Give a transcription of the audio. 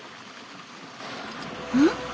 うん？